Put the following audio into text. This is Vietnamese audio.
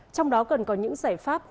trong đó cần có những giải pháp